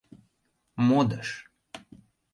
Модыш